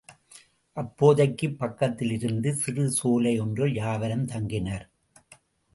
அப்போதைக்குப் பக்கத்திலிருந்த சிறு சோலை ஒன்றில் யாவரும் தங்கினர்.